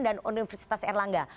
dan universitas erlangga